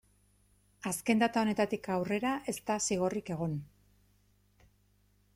Azken data honetatik aurrera ez da zigorrik egon.